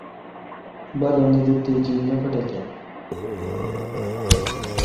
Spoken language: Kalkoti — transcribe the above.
بالہ نہ دیت تےجیل نہ پھٹکیں